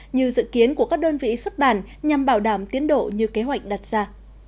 như dự kiến của các đơn vị xuất bản nhằm bảo đảm tiến độ như kế hoạch đặt ra